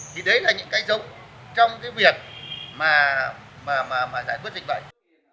thì đấy là những cái giống trong cái việc mà giải quyết dịch bệnh